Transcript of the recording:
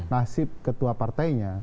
nasib ketua partainya